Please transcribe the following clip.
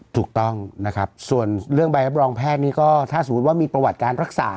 ถูกต้องนะครับส่วนเรื่องใบรับรองแพทย์นี่ก็ถ้าสมมุติว่ามีประวัติการรักษา